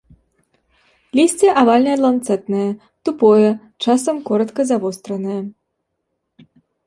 Лісце авальна-ланцэтнае, тупое, часам коратка завостранае.